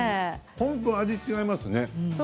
本当に味が違いますね。